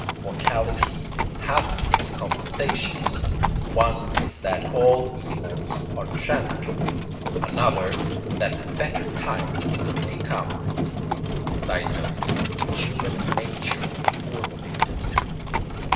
Mortality has its compensations: one is that all evils are transitory, another that better times may come. [Sidenote: Human nature formulated.